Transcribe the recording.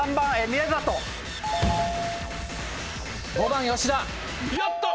５番吉田。